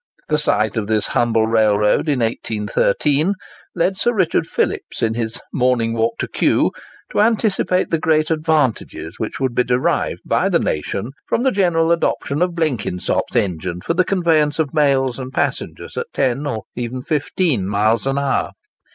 The sight of this humble railroad in 1813 led Sir Richard Phillips in his 'Morning Walk to Kew' to anticipate the great advantages which would be derived by the nation from the general adoption of Blenkinsop's engine for the conveyance of mails and passengers at ten or even fifteen miles an hour.